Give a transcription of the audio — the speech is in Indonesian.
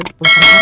mir bangun mir